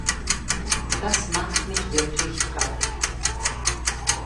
Das macht mich wirklich traurig.